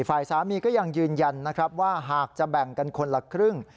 ฝ่ายสามีก็ยังยืนยันนะครับว่าหากจะแบ่งกันคนละครึ่ง